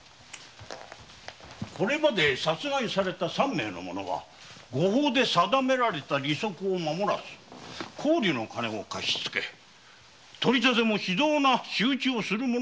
これまで殺害された三名の者は御法で定められた利息を守らず高利の金を貸し付け取り立ても非道な仕打ちをする者ばかり。